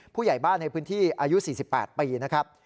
ผู้ใหญ่บ้านในพื้นที่อายุ๔๘ปีนะครับ